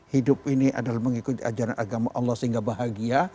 hidup ini adalah mengikuti ajaran agama allah sehingga bahagia